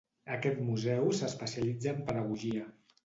Aquest museu s'especialitza en pedagogia.